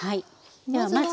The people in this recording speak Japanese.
ではまず。